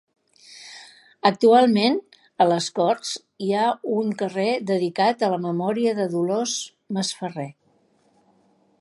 Actualment, a les Corts hi ha un carrer dedicat a la memòria de Dolors Masferrer.